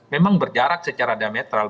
memang berjarak secara diametral